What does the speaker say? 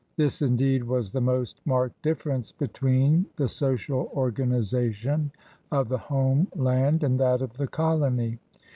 This, indeed, was the most marked difference between the social organization of the home land and that of the colony.